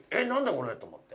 これ！と思って。